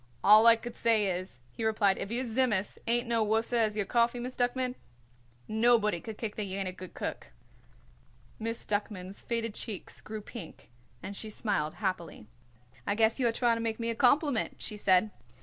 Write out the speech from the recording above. "All I could say is," he replied, "if your Tzimmus ain't no worser as your coffee, Miss Duckman, nobody could kick that you ain't a good cook." Miss Duckman's faded cheeks grew pink and she smiled happily. "I guess you are trying to make me a compliment," she said.